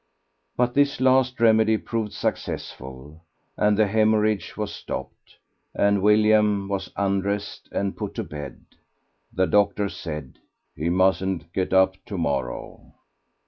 But this last remedy proved successful, and the hæmorrhage was stopped, and William was undressed and put to bed. The doctor said, "He mustn't get up to morrow."